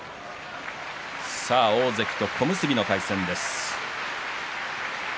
さあ大関と小結の対戦です。